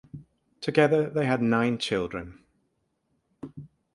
Together they had nine children.